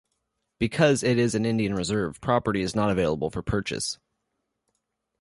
Because it is an Indian reserve, property is not available for purchase.